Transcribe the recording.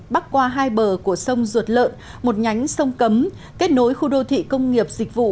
bắc qua hai bờ của sông ruột lợn một nhánh sông cấm kết nối khu đô thị công nghiệp dịch vụ